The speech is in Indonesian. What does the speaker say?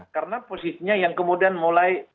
karena posisinya yang kemudian mulai